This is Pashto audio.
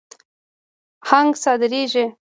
هنګ صادریږي.